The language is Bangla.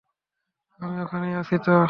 আমি এখানেই আছি তো!